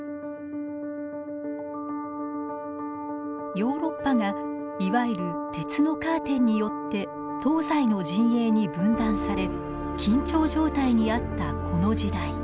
ヨーロッパがいわゆる鉄のカーテンによって東西の陣営に分断され緊張状態にあったこの時代。